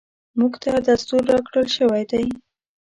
موږ ته دستور راکړل شوی دی .